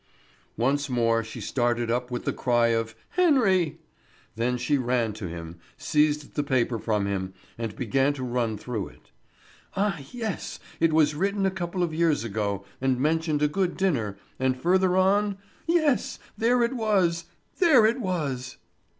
Once more she started up with the cry of "Henry!" Then she ran to him, seized the paper from him, and began to run through it. Ah, yes! It was written a couple of years ago, and mentioned a good dinner, and further on yes, there it was! There it was!